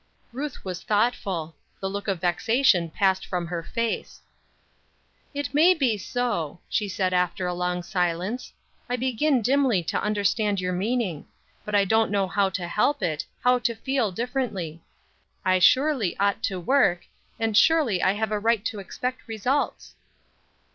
Ruth was thoughtful; the look of vexation passed from her face. "It may be so," she said, after a long silence. "I begin dimly to understand your meaning; but I don't know how to help it, how to feel differently. I surely ought to work, and surely I have a right to expect results."